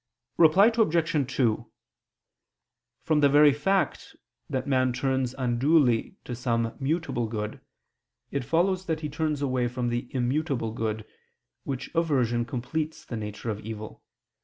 Reply Obj. 2: From the very fact that man turns unduly to some mutable good, it follows that he turns away from the immutable Good, which aversion completes the nature of evil.